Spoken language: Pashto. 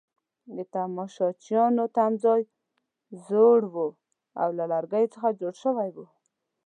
د تماشچیانو تمځای زوړ وو او له لرګو څخه جوړ شوی وو.